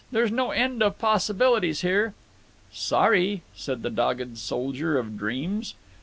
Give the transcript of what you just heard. There's no end of possibilities here." "Sorry," said the dogged soldier of dreams.